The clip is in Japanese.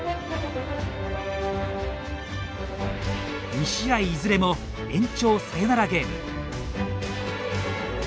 ２試合いずれも延長サヨナラゲーム。